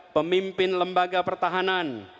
pemimpin lembaga pertahanan